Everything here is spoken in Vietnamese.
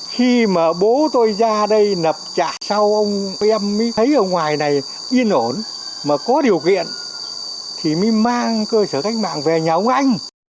khi mà bố tôi ra đây nập trả sau ông em mới thấy ở ngoài này yên ổn mà có điều kiện thì mới mang cơ sở cách mạng về nhà ông anh